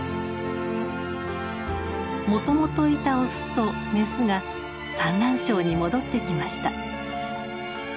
もともといたオスとメスが産卵床に戻ってきました。